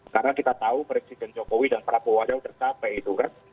karena kita tahu presiden jokowi dan prabowo ada yang tercapai itu kak